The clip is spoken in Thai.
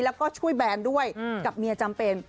แล้วก็ช่วยแบนด้วยกับเมียจำเป็น